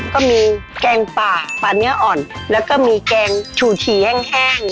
ก็มีแกงป่าป่าเนื้ออ่อนแล้วก็มีแกงถูชิแห้งแห้ง